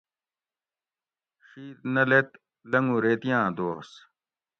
شِید نہ لیت لۤنگو ریتیاۤں دوس